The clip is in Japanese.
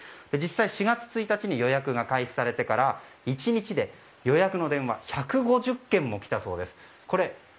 実際４月１日に予約が開始されてから１日で予約の電話が１５０件も来たそうです。